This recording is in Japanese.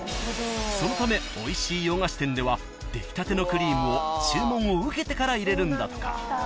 ［そのためおいしい洋菓子店では出来たてのクリームを注文を受けてから入れるんだとか］